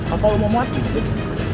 apa lo mau mati sih